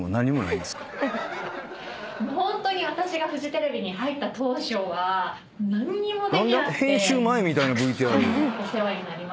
「ホントに私がフジテレビに入った当初は何もできなくてたくさんお世話になりました」